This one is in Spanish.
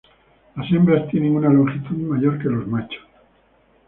La hembras tienen una longitud mayor que los machos.